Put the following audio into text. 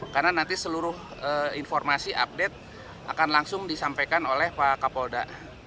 karena nanti seluruh informasi update akan langsung disampaikan oleh pak kapolda